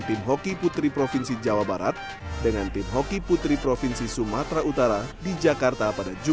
tim hoki putri provinsi jawa barat dengan tim hoki putri provinsi sumatera utara di jakarta pada jumat